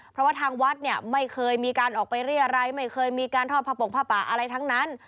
เพราะว่าทางวัดเนี่ยไม่เคยมีการออกไปเรียรัยไม่เคยมีการทอดผ้าปกผ้าป่าอะไรทั้งนั้น